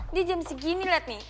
dia jam segini liat nih